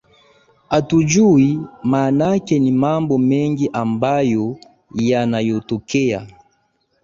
hatujui maanake ni mambo mengi ambayo yanayotokea